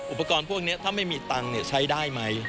อุปกรณ์พวกนี้ถ้าไม่มีตังค์ใช้ได้ไหม